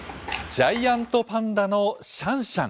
ジャイアントパンダのシャンシャン。